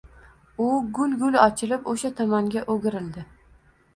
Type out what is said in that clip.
U gul-gul ochilib oʼsha tomonga oʼgirildi.